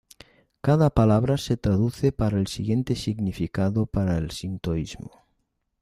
Cada palabra se traduce para el siguiente significado para el sintoísmo.